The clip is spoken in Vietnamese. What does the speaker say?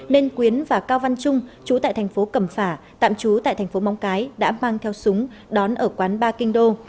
nên quyến và cao văn trung chú tại thành phố cẩm phả tạm trú tại thành phố móng cái đã mang theo súng đón ở quán ba kinh đô